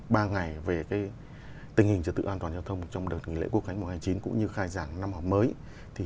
ba ngày về tình hình trật tự an toàn giao thông trong đợt nghỉ lễ quốc khánh mùa hai mươi chín cũng như khai giảng năm học mới